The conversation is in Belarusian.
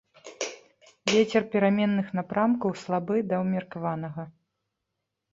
Вецер пераменных напрамкаў слабы да ўмеркаванага.